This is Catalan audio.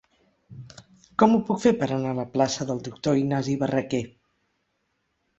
Com ho puc fer per anar a la plaça del Doctor Ignasi Barraquer?